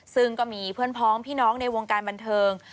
ซึ่งก็มีเพื่อนพ้องพี่น้องในวงการบันเทิง